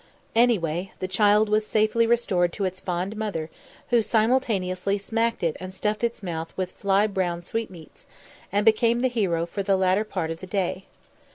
Anyway, the child was safely restored to its fond mother, who simultaneously smacked it and stuffed its mouth with fly blown sweetmeats, and became the hero for the latter part of the day.